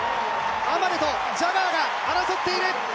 アマレとジャガーが争っている。